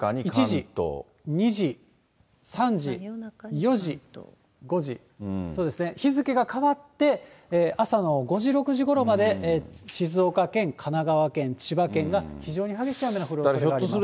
０時、１時、２時、３時、４時、５時、そうですね、日付が変わって、朝の５時、６時ごろまで静岡県、神奈川県、千葉県が非常に激しい雨の降るおそれがあります。